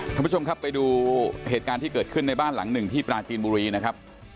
ท่านผู้ชมครับไปดูเหตุการณ์ที่เกิดขึ้นในบ้านหลังหนึ่งที่ปราจีนบุรีนะครับ